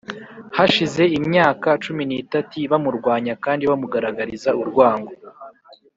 hashize imyaka cumi n’itati bamurwanya kandi bamugaragariza urwango,